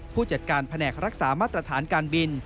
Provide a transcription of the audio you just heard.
ผู้จัดการแผนกรักษามาตรฐานการบิน